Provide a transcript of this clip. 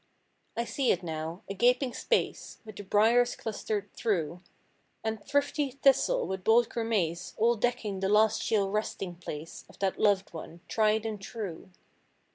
I see it now—a gaping space, With the briers clustered through; And thrifty thistle with bold grimace All decking the last chill resting place Of that loved one, tried and true.